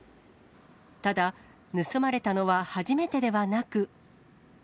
ただ、盗まれたのは初めてではなく。